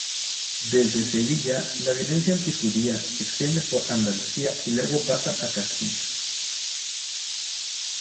Desde Sevilla la violencia antijudía se extiende por Andalucía y luego pasa a Castilla.